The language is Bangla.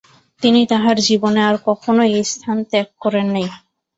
তিনি তাঁহার জীবনে আর কখনও এই স্থান ত্যাগ করেন নাই।